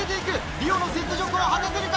リオの雪辱を果たせるか？